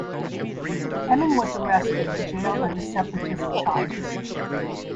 Emin was arrested and jailed under separatism charges.